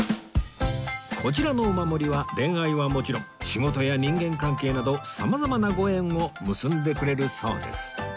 こちらのお守りは恋愛はもちろん仕事や人間関係など様々なご縁を結んでくれるそうです